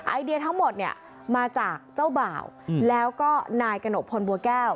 ไอเดียทั้งหมดเนี่ยมาจากเจ้าบ่าวแล้วก็นายกระหนกพลบัวแก้ว